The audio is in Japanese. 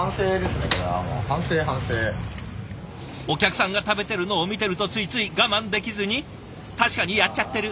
お客さんが食べてるのを見てるとついつい我慢できずに確かにやっちゃってる！